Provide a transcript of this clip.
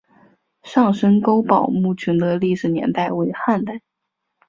上深沟堡墓群的历史年代为汉代。